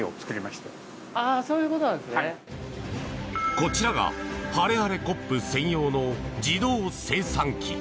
こちらがハレハレコップ専用の自動生産機。